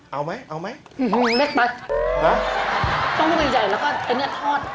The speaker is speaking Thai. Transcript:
เอาไหมเอาไหมอื้อหือเล็กไปต้องเป็นใหญ่แล้วก็เนี้ยทอด